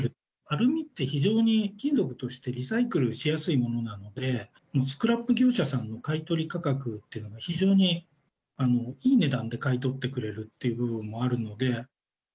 アルミって非常に金属としてリサイクルしやすいものなので、スクラップ業者さんの買い取り価格が、非常にいい値段で買い取ってくれるっていう部分もあるので。